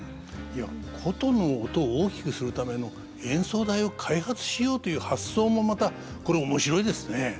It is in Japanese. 箏の音を大きくするための演奏台を開発しようという発想もまたこれ面白いですね。